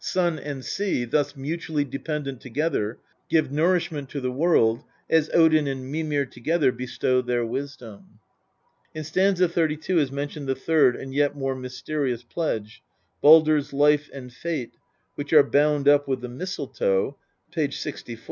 Sun and sea, thus mutually dependent together, give nourishment to the world, as Odin and Mimir together bestow their wisdom. In st. 32 is mentioned the third and yet more mysterious pledge, Baldr's life and fate, which are bound up with the mistletoe (p. Ixiv.).